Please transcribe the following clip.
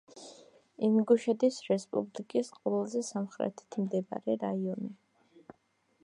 ინგუშეთის რესპუბლიკის ყველაზე სამხრეთით მდებარე რაიონი.